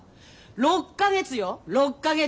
６か月よ６か月。